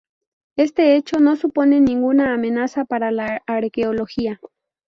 Este hecho no supone ninguna amenaza para la arqueología.